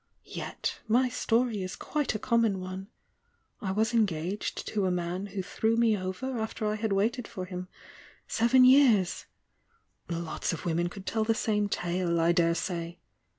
Yet my story is quite a common one, — I was engaged to a man who threw me over after I had waited for him seven years — lots of women could tell the same tale, I dare say!